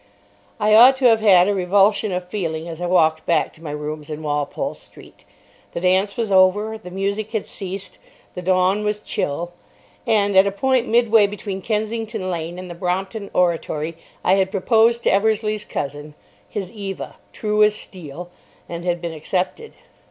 I ought to have had a revulsion of feeling as I walked back to my rooms in Walpole Street. The dance was over. The music had ceased. The dawn was chill. And at a point midway between Kensington Lane and the Brompton Oratory I had proposed to Eversleigh's cousin, his Eva, "true as steel," and had been accepted.